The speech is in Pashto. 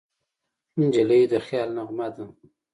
نجلۍ د خیال نغمه ده.